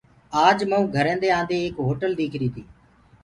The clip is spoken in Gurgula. آج مئون گھرينٚدي آ نٚدي ايڪ هوٽل ديٚکريٚ تيٚ